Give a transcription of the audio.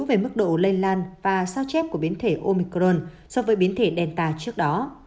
về mức độ lây lan và sao chép của biến thể omicron so với biến thể delta trước đó